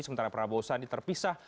sementara prabowo sandi terpisah